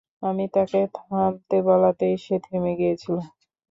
আমি তাকে থামতে বলাতেই সে থেমে গিয়েছিল।